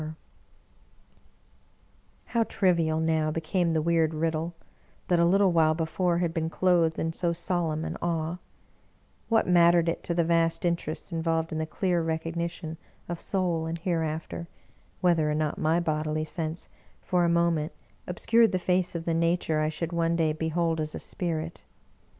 103 English Mystery Stories How trivial now became the weird riddle, that, a little while before, had been clothed in so solemn an awe I What mattered it to the vast interests involved in the clear recognition of Soul and Hereafter, whether or not my bodily sense, for a moment, obscured the face of the Nature I should one day behold as a spirit?